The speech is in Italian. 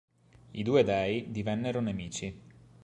I due dei divennero nemici.